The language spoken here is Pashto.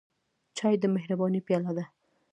چای د مهربانۍ پیاله ده.